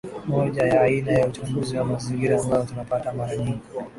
moja ya aina ya uchafuzi wa mazingira ambayo tunapata mara nying